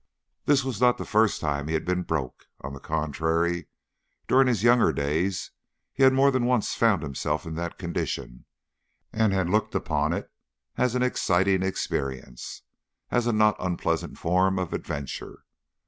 This was not the first time he had been broke. On the contrary, during his younger days he had more than once found himself in that condition and had looked upon it as an exciting experience, as a not unpleasant form of adventure.